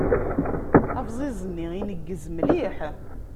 Abẓiẓ-nni ineggez mliḥ.